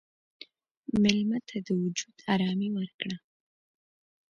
مېلمه ته د وجود ارامي ورکړه.